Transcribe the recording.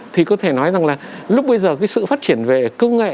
thì có thể nói rằng là lúc bây giờ cái sự phát triển về công nghệ